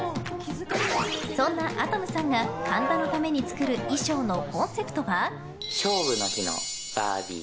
そんな空叶夢さんが神田のために作る衣装のコンセプトは？